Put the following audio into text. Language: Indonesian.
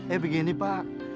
eh begini pak